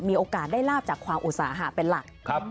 มีโอกาสได้ลาบจากความอุตสาหะเป็นหลัก